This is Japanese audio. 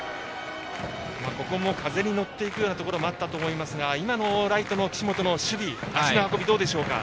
ここも風に乗っていくようなところもあったと思いますが今のライトの岸本の守備足の運びはどうでしょうか。